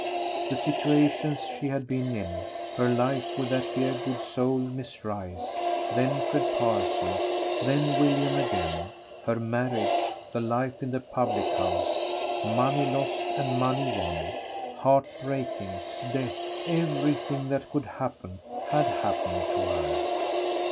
The situations she had been in; her life with that dear good soul, Miss Rice, then Fred Parsons, then William again; her marriage, the life in the public house, money lost and money won, heart breakings, death, everything that could happen had happened to her.